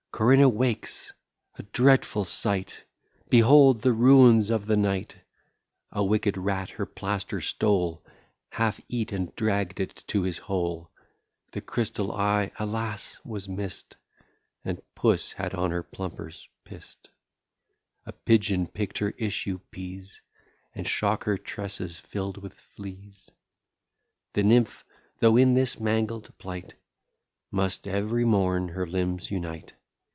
Corinna wakes. A dreadful sight! Behold the ruins of the night! A wicked rat her plaster stole, Half eat, and dragg'd it to his hole. The crystal eye, alas! was miss'd; And puss had on her plumpers p st, A pigeon pick'd her issue pease: And Shock her tresses fill'd with fleas. The nymph, though in this mangled plight Must ev'ry morn her limbs unite.